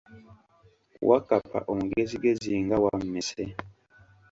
Wakkapa omugezigezi nga wammese.